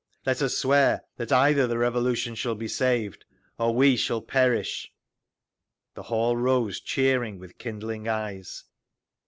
"Let us swear that either the Revolution shall be saved—or we shall perish!" The hall rose, cheering, with kindling eyes.